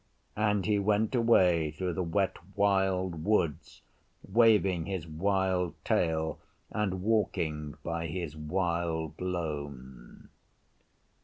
And he went away through the Wet Wild Woods waving his wild tail and walking by his wild lone.